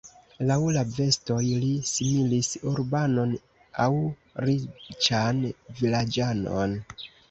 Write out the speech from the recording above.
Laŭ la vestoj, li similis urbanon aŭ riĉan vilaĝanon.